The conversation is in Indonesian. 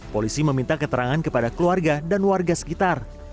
polisi meminta keterangan kepada keluarga dan warga sekitar